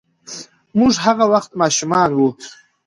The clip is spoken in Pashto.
موږ هغه وخت ماشومان وو.